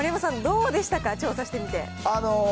丸山さん、どうでしたか、調査してみて。